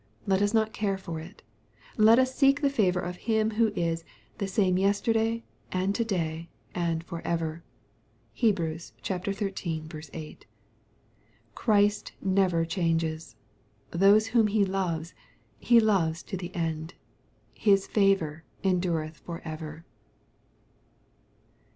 Let us not care for it. Let us seek the favor of Him who is " the same yesterday, and to day, and for ever.'' (Heb. xiii. 8.) Christ never changes. Those whom He loves, He loves to the end. His favor endureth for ever.